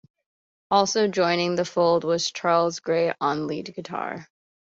Also joining the fold was Charles Gray on lead guitar.